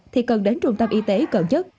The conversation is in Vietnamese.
thì cần đến trung tâm y tế cận chất